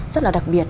rất là đặc biệt